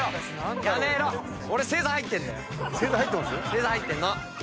星座入ってます？